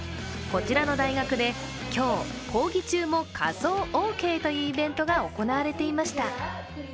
こちらの大学で今日、講義も仮装オーケーというイベントが行われていました。